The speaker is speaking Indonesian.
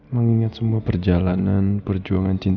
masih belum selesai